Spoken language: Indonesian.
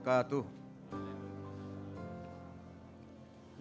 assalamualaikum warahmatullahi wabarakatuh